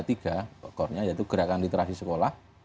tiga pokoknya yaitu gerakan literasi sekolah